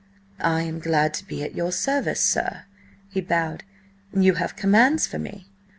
"I am glad to be at your service, sir," he bowed. "You have commands for me?"